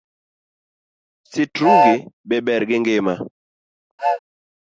Sitrungi be ber gi ngima?